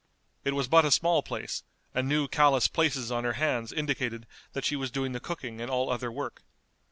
It was but a small place, and new callous places on her hands indicated that she was doing the cooking and all other work.